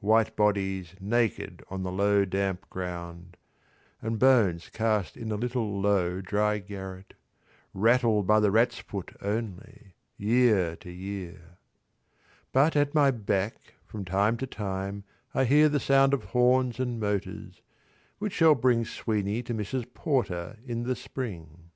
White bodies naked on the low damp ground And bones cast in a little low dry garret, Rattled by the rat's foot only, year to year. But at my back from time to time I hear The sound of horns and motors, which shall bring Sweeney to Mrs. Porter in the spring.